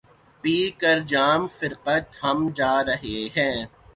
پی کر جام فرقت ہم جا رہے ہیں